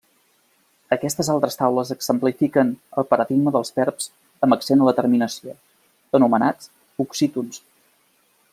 Aquestes altres taules exemplifiquen el paradigma dels verbs amb accent a la terminació, anomenats oxítons.